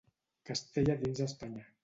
Castella dins Espanya.